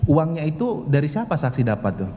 uangnya itu dari siapa saksi dapat tuh